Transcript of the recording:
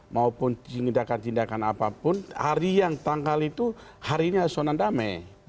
maupun cindakan cindakan apapun hari yang tanggal itu harinya sonan damai